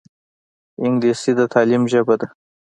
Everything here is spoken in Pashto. انګلیسي د تعلیم ژبه ده